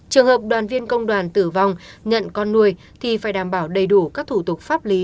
trường hợp đoàn viên công đoàn tử vong nhận con nuôi thì phải đảm bảo đầy đủ các thủ tục pháp lý